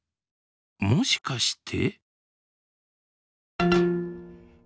もしかして。